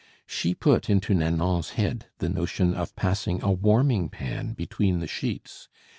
She put into Nanon's head the notion of passing a warming pan between the sheets.